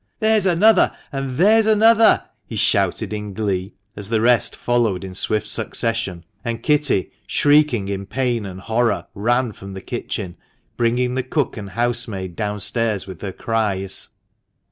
" There's another ! and there's another !" he shouted in glee, as the rest followed in swift succession ; and Kitty, shrieking in pain and horror, ran from the kitchen, bringing the cook and housemaid downstairs with her cries.